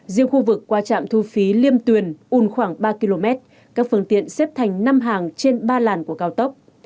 riêng khu vực qua trạm thu phí liêm tuyền un khoảng ba km các phương tiện xếp thành năm hàng trên ba làn của cao tốc